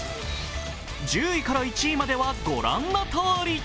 １０位から１位までは御覧のとおり。